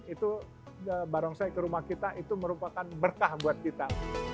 itu barongsai ke rumah kita itu merupakan berkah buat kita